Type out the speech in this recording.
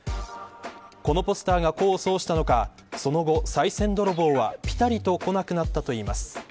このポスターが功を奏したのかその後、さい銭泥棒はぴたりと来なくなったといいます。